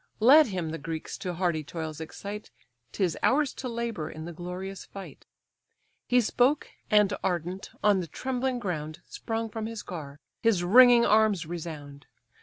Let him the Greeks to hardy toils excite, 'Tis ours to labour in the glorious fight." He spoke, and ardent, on the trembling ground Sprung from his car: his ringing arms resound.